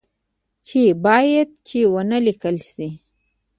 چې باید چي و نه لیکل شي